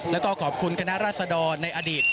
แล้วก็ขอบคุณคณะราษดรในอดีต